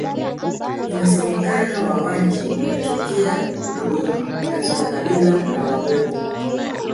Inasemekana Wawanji walitokea Dodoma katika kabila la Wagogo